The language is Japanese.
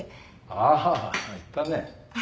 あ言ったね。